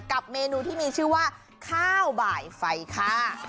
กับเมนูที่มีชื่อว่าข้าวบ่ายไฟค่ะ